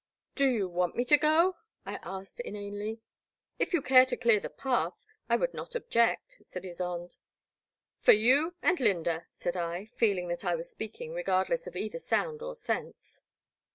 Do you want me to go ?I asked inanely. " If you care to dear the path, I would not object," said Ysonde. For you and Lynda," said I, feeling that I was speaking regardless of either sound or sense.